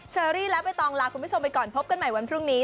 เชอรี่และใบตองลาคุณผู้ชมไปก่อนพบกันใหม่วันพรุ่งนี้